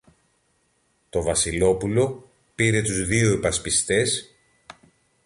Το Βασιλόπουλο πήρε τους δυο υπασπιστές